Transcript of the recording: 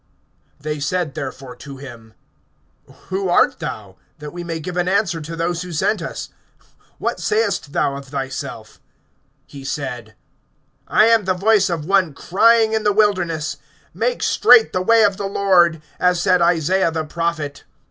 (22)They said therefore to him: Who art thou? that we may give an answer to those who sent us. What sayest thou of thyself? (23)He said: I am the voice of one crying in the wilderness: Make straight the way of the Lord, as said Isaiah the prophet.